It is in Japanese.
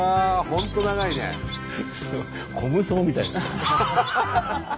本当長いね。